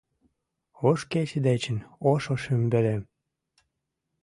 Ош кече дечын ошо шӱмбелем.